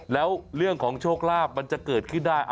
แล้วเรื่องของโชคลาภมันจะเกิดขึ้นได้